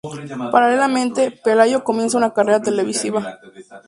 Paralelamente, Pelayo comienza una carrera televisiva.